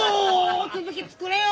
続き作れよ！